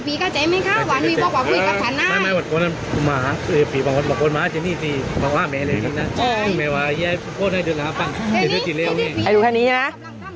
พี่เข้าใจมั้ยคะเดี๋ยวบอกว่าคุยกับธนาน